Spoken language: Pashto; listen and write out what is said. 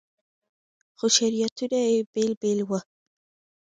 خو شریعتونه یې بېل بېل وو.